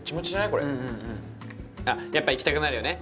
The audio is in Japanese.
これあっやっぱいきたくなるよね